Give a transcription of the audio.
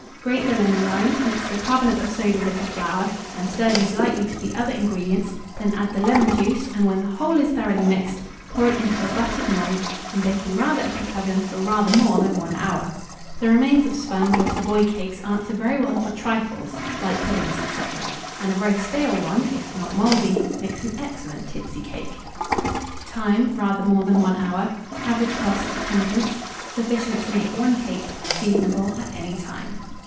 Grate the lemon rind, mix the carbonate of soda with the flour, and stir these lightly to the other ingredients; then add the lemon juice, and, when the whole is thoroughly mixed, pour it into a buttered mould, and bake in rather a quick oven for rather more than 1 hour. The remains of sponge or Savoy cakes answer very well for trifles, light puddings, &c. and a very stale one (if not mouldy) makes an excellent tipsy cake. Time. Rather more than 1 hour. Average cost, 10d. Sufficient to make 1 cake. Seasonable at any time.